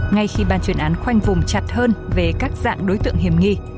ngay khi ban chuyên án khoanh vùng chặt hơn về các dạng đối tượng hiểm nghi